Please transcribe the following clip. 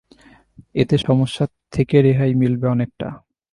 এতে সমস্যা থেকে রেহাই মিলবে অনেকটা।